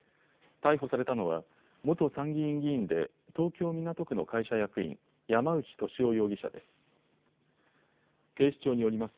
逮捕されたのは元参議院議員で東京港区の会社役員、山内俊夫容疑者です。